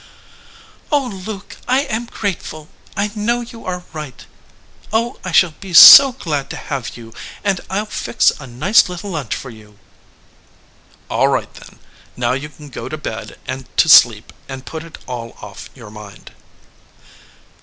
"Oh, Luke, I am grateful. I know you are right. Oh, I shall be so glad to have you, and I ll fix a nice little lunch for you." "All right, then. Now you can go to bed and to sleep, and put it all off your mind."